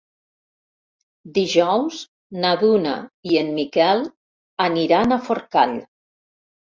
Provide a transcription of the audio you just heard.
Dijous na Duna i en Miquel aniran a Forcall.